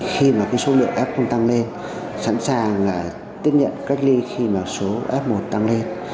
khi mà cái số lượng f tăng lên sẵn sàng là tiếp nhận cách ly khi mà số f một tăng lên